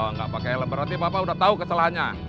oh nggak pakai helm berarti papa udah tahu kesalahannya